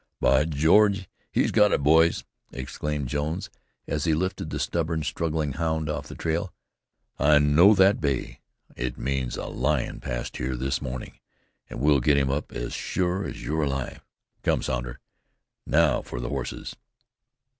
"By George, he's got it, boys!" exclaimed Jones, as he lifted the stubborn, struggling hound off the trail. "I know that bay. It means a lion passed here this morning. And we'll get him up as sure as you're alive. Come, Sounder. Now for the horses."